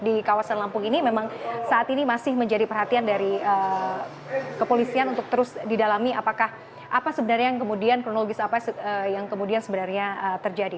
di kawasan lampung ini memang saat ini masih menjadi perhatian dari kepolisian untuk terus didalami apakah apa sebenarnya yang kemudian kronologis apa yang kemudian sebenarnya terjadi